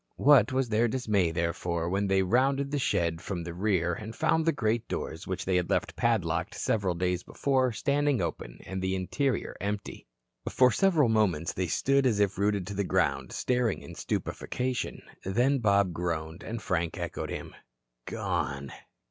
What was their dismay, therefore, when they rounded the shed from the rear and found the great doors which they had left padlocked several days before standing open and the interior empty. For several moments they stood as if rooted to the ground, staring in stupefaction. Then Bob groaned, and Frank echoed him. "Gone."